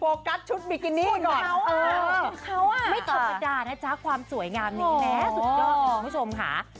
กัสชุดบิกินี่ก่อนชุดเขาไม่ธรรมดานะจ๊ะความสวยงามนี้แม้สุดยอดคุณผู้ชมค่ะ